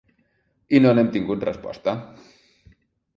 I no n’hem tingut resposta.